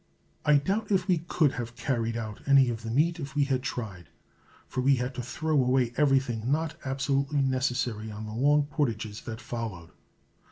I doubt if we could have carried out any of the meat if we had tried, for we had to throw away everything not absolutely necessary on the long portages that followed.